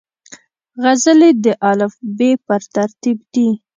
غزلې د الفبې پر ترتیب دي.